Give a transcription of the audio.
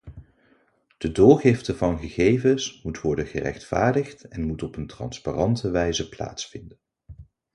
De doorgifte van gegevens moet worden gerechtvaardigd en moet op een transparante wijze plaatsvinden.